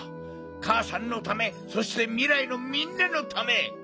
かあさんのためそしてみらいのみんなのため！